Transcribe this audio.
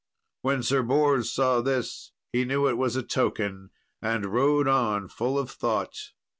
When Sir Bors saw this he knew it was a token, and rode on full of thought.